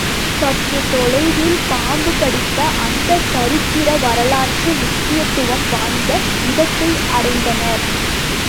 சற்றுத் தொலைவில் பாம்புகடித்த அந்தச் சரித்திர வரலாற்று முக்கியத்துவம் வாய்ந்த இடத்தை அடைந்தனர்.